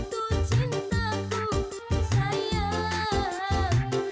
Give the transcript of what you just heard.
makin terasa nyeri